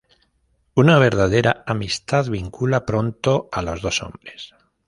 Una verdadera amistad vincula pronto a los dos hombres.